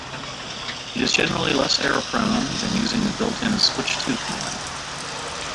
It is generally less error-prone than using the built-in "switch to" command.